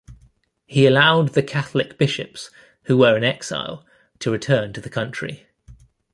He allowed the Catholic bishops, who were in exile, to return to the country.